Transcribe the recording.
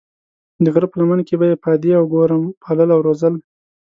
د غره په لمن کې به یې پادې او ګورم پالل او روزل.